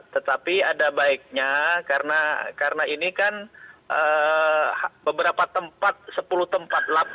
tetapi ada baiknya karena ini kan beberapa tempat sepuluh tempat